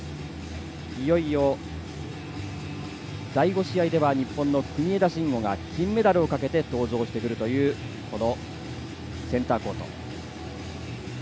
いよいよ、第５試合では日本の国枝慎吾が金メダルをかけて登場してくるというこのセンターコート。